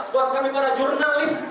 buat kami para jurnalis